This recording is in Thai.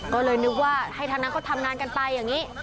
ก็เลยนึกว่าให้ทางนั้นเขาทำงานกันไปอย่างนี้